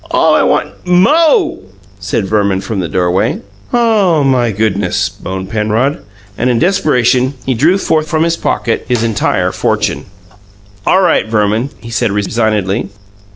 All I want " "MO!" said Verman from the doorway. "Oh, my goodness!" moaned Penrod; and in desperation he drew forth from his pocket his entire fortune. "All right, Verman," he said resignedly.